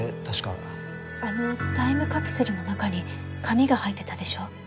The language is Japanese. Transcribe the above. あのタイムカプセルの中に紙が入ってたでしょ？